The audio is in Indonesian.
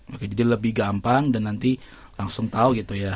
oke jadi lebih gampang dan nanti langsung tahu gitu ya